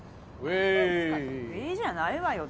うぇいじゃないわよ。